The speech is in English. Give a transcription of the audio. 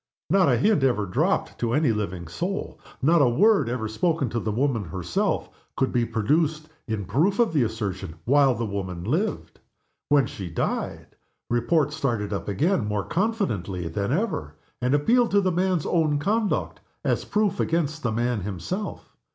Not a hint ever dropped to any living soul, not a word ever spoken to the woman herself, could be produced in proof of the assertion while the woman lived. When she died Report started up again more confidently than ever, and appealed to the man's own conduct as proof against the man himself.